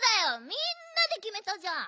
みんなできめたじゃん。